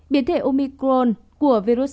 biến thể omicron của virus